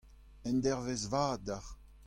Endervezh vat deoc'h.